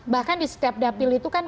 bahkan di setiap dapil itu kan